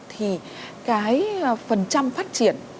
thì cái phần trăm phát triển